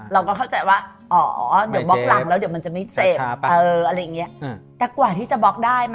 เราก็เข้าใจว่าอ๋อเดี๋ยวบล็อกหลังแล้วเดี๋ยวมันจะไม่เจ็บ